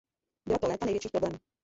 Byla to léta největších problémů.